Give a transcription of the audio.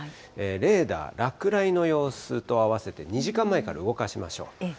レーダー、落雷の様子と合わせて２時間前から動かしましょう。